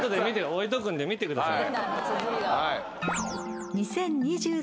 置いとくんで見てください。